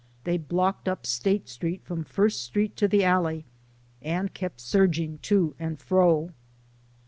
They blocked up State Street from First Street to the alley, and kept surging to and fro.